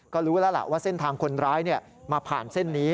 ก็รู้แล้วล่ะว่าเส้นทางคนร้ายมาผ่านเส้นนี้